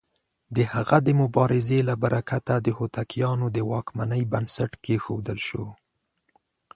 د هغه د مبارزې له برکته د هوتکيانو د واکمنۍ بنسټ کېښودل شو.